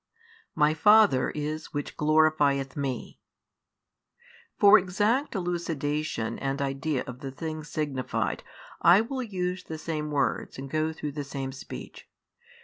My Father is which glorifieth Me. For exact elucidation and idea of the things signified I will use the same words and go through the same speech.